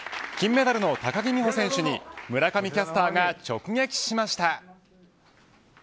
金メダルの高木美帆選手に村上キャスターが直撃しました。